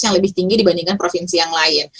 yang lebih tinggi dibandingkan provinsi yang lain